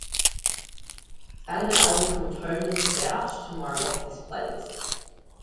Add an album from Thomen Stauch to my Rock This playlist.